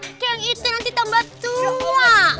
oke yang itu nanti tambah tua